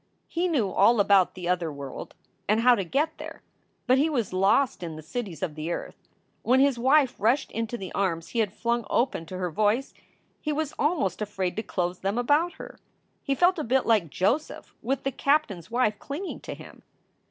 He knew all about the other world and how to get there, but he was lost in the cities of the earth. When his wife rushed into the arms he had flung open to her voice, he was almost afraid to close them about her. He felt a bit like Joseph with the captain s wife clinging to him.